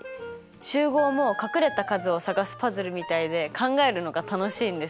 集合も隠れた数を探すパズルみたいで考えるのが楽しいんです。